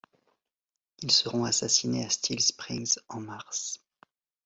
Ils seront assassinés à Steel Springs en mars.